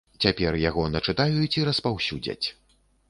Цяпер яго начытаюць і распаўсюдзяць.